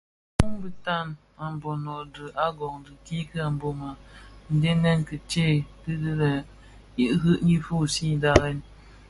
Muu bitaň a mbono dhi agon I kiiki a Mbona ndhenèn kitsè dhi bè lè Iring ñyi fusii barèn.